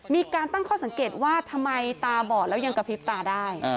มีการตั้งข้อสังเกตว่าทำไมตาบอดแล้วยังกระพริบตาได้